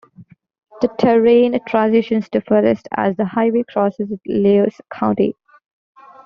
The terrain transitions to forest as the highway crosses into Luce County.